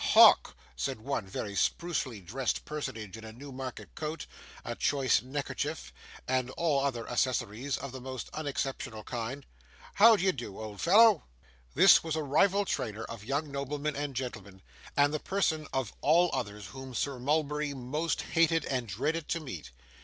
Hawk,' said one very sprucely dressed personage in a Newmarket coat, a choice neckerchief, and all other accessories of the most unexceptionable kind. 'How d'ye do, old fellow?' This was a rival trainer of young noblemen and gentlemen, and the person of all others whom Sir Mulberry most hated and dreaded to meet.